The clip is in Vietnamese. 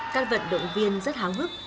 các vận động viên rất háo hức